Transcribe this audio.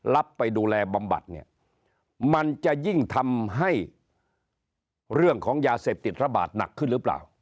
รับไปดูแลบำบัดเนี่ยมันจะยิ่งทำให้เรื่องของยาเสพติดระบาดหนักขึ้นหรือเปล่า